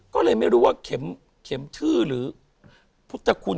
ก็เลยไม่รู้ว่าเข็มชื่อหรือพุทธคุณ